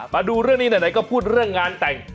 มาดูเรื่องนี้ไหนก็พูดเรื่องงานแต่ง